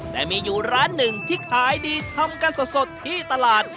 แต่มีอยู่ร้านหนึ่งที่ขายดีทำกันสดที่ตลาด